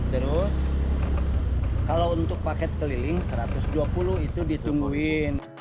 terus kalau untuk paket keliling satu ratus dua puluh itu ditungguin